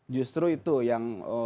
justru itu yang